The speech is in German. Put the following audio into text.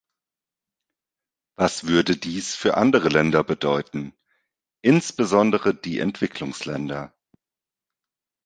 Was würde dies für andere Länder bedeuten, insbesondere die Entwicklungsländer?